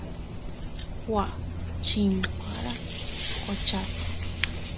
waa chimpara qochapi